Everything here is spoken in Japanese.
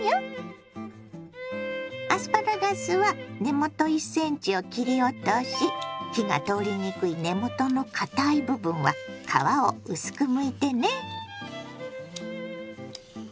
アスパラガスは根元１ｃｍを切り落とし火が通りにくい根元のかたい部分は皮を薄くむいてね。